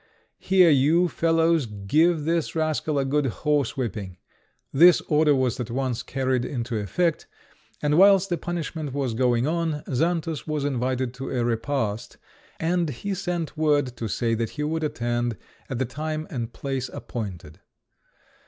Here, you fellows, give this rascal a good horse whipping." This order was at once carried into effect, and whilst the punishment was going on Xantus was invited to a repast, and he sent word to say that he would attend at the time and place appointed.